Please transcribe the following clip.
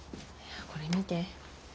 これ見て。